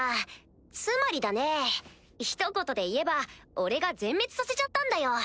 つまりだねひと言で言えば俺が全滅させちゃったんだよ。